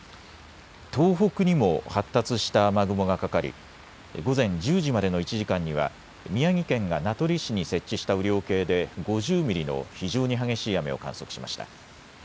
東北にも発達した雨雲がかかり、午前１０時までの１時間には宮城県が名取市に設置した雨量計で５０ミリの非常に激しい雨を観測しました。